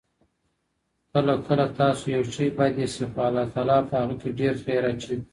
کله کله ستاسو يو شی بد ايسي، خو الله تعالی په هغه کي ډيرخير اچوي